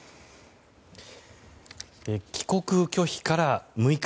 帰国拒否から６日。